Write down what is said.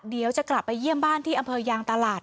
เดี๋ยวจะกลับไปเยี่ยมบ้านที่อำเภอยางตลาด